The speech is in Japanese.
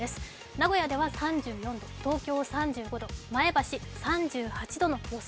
名古屋では３４度、東京３５度、前橋３８度の予想